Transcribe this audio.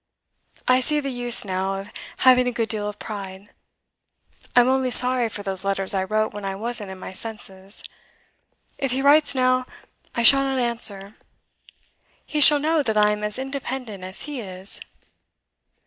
I see the use, now, of having a good deal of pride. I'm only sorry for those letters I wrote when I wasn't in my senses. If he writes now, I shall not answer. He shall know that I am as independent as he is.